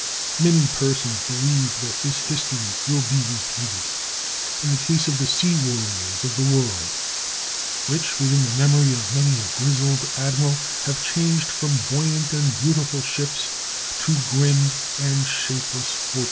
Many persons believe that this history will be repeated in the case of the sea warriors of the world, which, within the memory of many a grizzled admiral, have changed from buoyant and beautiful ships to grim and shapeless fortresses afloat.